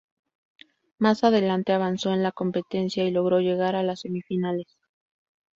Más adelante avanzó en la competencia y logró llegar a las semifinales.